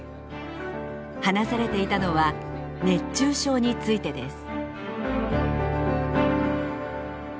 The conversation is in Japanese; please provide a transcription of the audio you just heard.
話されていたのは熱中症についてです。